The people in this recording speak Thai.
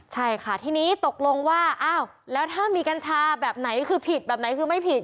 ใช่ค่ะทีนี้ตกลงว่าอ้าวแล้วถ้ามีกัญชาแบบไหนคือผิดแบบไหนคือไม่ผิด